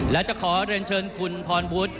และจะขอเรียนเชิญคุณพรวุฒิ